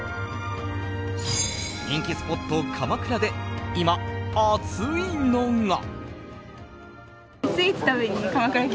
人気スポット、鎌倉で今熱いのが。